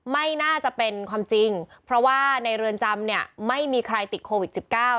ไม่น่าจะเป็นความจริงเพราะว่าในเรือนจำเนี่ยไม่มีใครติดโควิด๑๙